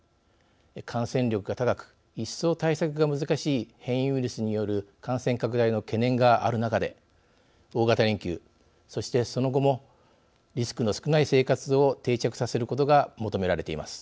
感染力が高く一層対策が難しい変異ウイルスによる感染拡大の懸念がある中で大型連休そしてその後もリスクの少ない生活を定着させることが求められています。